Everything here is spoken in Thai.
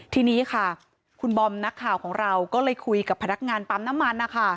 ทีนี้ค่ะคุณบอมนักข่าวของเราก็เลยคุยกับพนักงานปั๊มน้ำมันนะคะ